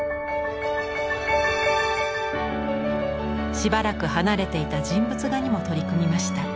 しばらく離れていた人物画にも取り組みました。